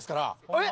えっ？